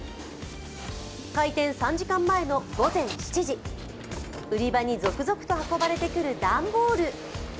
開店３時間前の午前７時、売り場に続々と運ばれてくる段ボール。